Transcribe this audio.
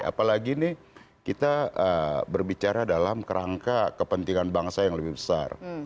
apalagi ini kita berbicara dalam kerangka kepentingan bangsa yang lebih besar